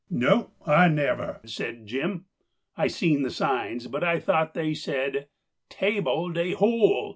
"No, I never," said Jim. "I seen the signs, but I thought they said 'table de hole.